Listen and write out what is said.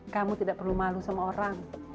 kamu tidak perlu malu sama orang